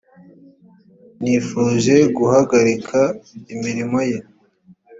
nifuje guhagarika imirimo ye .